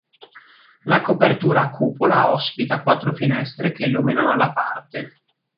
La copertura a cupola ospita quattro finestre che illuminano la parte.